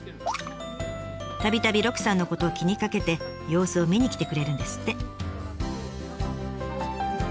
たびたび鹿さんのことを気にかけて様子を見に来てくれるんですって。